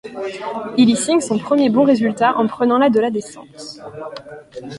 Il y signe son premier bon résultat en prenant la de la descente.